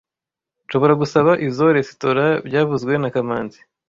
Nshobora gusaba izoi resitora byavuzwe na kamanzi